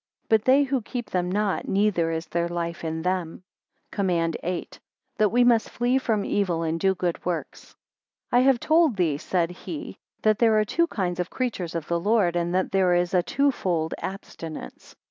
But they who keep them not, neither is there life in them. COMMAND VIII. That we must flee from evil, and do good works. I HAVE told thee, said he, that there are two kinds of creatures of the Lord, and that there is a two fold abstinence.